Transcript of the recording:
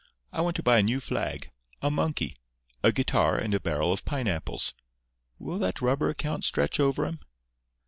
I want to buy a new flag, a monkey, a guitar and a barrel of pineapples. Will that rubber account stretch over 'em?"